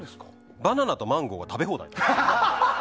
バナナとマンゴーが食べ放題。